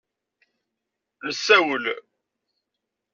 Nessawel.